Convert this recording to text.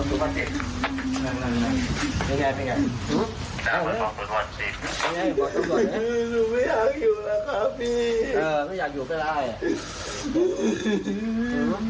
อยู่คนเดียวอ๋อแล้วมีอะไรให้ตำรวจช่วยไหม